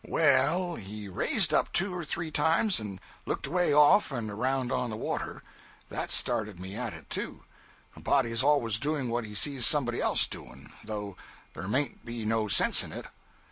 'Well, he raised up two or three times, and looked away off and around on the water. That started me at it, too. A body is always doing what he sees somebody else doing, though there mayn't be no sense in it.